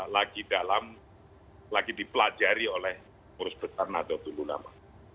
lagi dalam lagi dipelajari oleh urus besar nato tululama